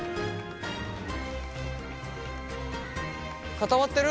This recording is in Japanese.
固まってる？